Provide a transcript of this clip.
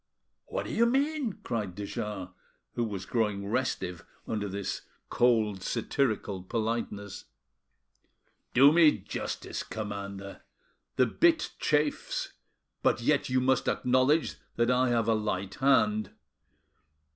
"What do you mean?" cried de Jars, who was growing restive under this cold, satirical politeness. "Do me justice, commander. The bit chafes, but yet you must acknowledge that I have a light hand.